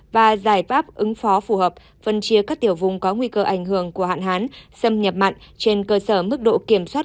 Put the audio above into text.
và giải pháp ứng phó phù hợp phân chia các tiểu vùng có nguy cơ ảnh hưởng của hạn hán xâm nhập mặn trên cơ sở mức độ kiểm soát